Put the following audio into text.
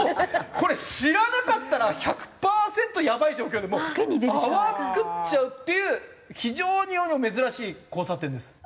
これ知らなかったら１００パーセントやばい状況でもう泡食っちゃうっていう非常に世にも珍しい交差点です。